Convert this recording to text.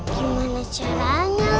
gimana caranya li